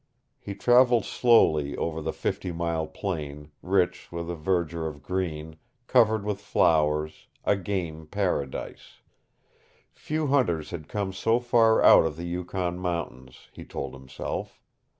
He traveled slowly over the fifty mile plain rich with a verdure of green, covered with flowers, a game paradise. Few hunters had come so far out of the Yukon mountains, he told himself.